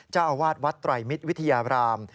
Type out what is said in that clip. เจ้าอาวาสวัดไตรมิตรวิทยาบราม